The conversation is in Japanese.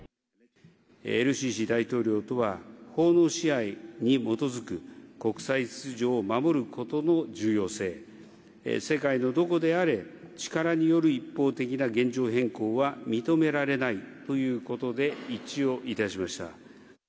エル・シシ大統領とは、法の支配に基づく国際秩序を守ることの重要性、世界のどこであれ、力による一方的な現状変更は認められないということで、一致をいたしました。